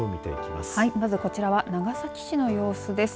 まずこちらは長崎市の様子です。